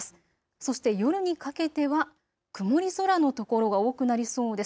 そして夜にかけては曇り空の所が多くなりそうです。